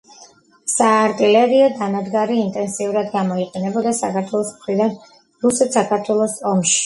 საარტილერიო დანადგარი ინტენსიურად გამოიყენებოდა საქართველოს მხრიდან რუსეთ საქართველოს ომში.